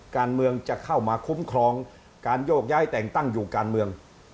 การเมืองจะเข้ามาคุ้มครองการโยกย้ายแต่งตั้งอยู่การเมือง